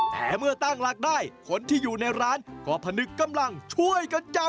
แต่เมื่อตั้งหลักได้คนที่อยู่ในร้านก็พนึกกำลังช่วยกันจับ